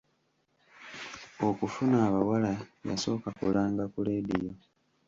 Okufuna abawala yasooka kulanga ku leediyo.